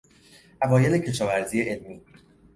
اوایل کشاورزی علمی